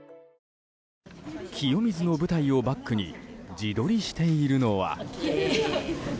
清水の舞台をバックに自撮りしているのは。